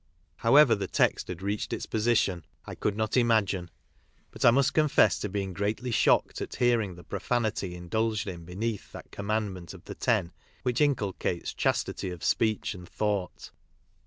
However the text had reached its position I could not imagine, but I must confess to being greatly shocked at hearing the profanity indulged in beneath that Commandment of the Ten which inculcates chastity of speech and thought.